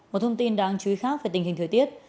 một thông tin đáng chú ý khác về tình hình thời tiết